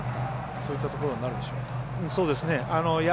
そういったところになるでしょうか。